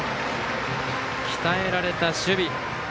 鍛えられた守備。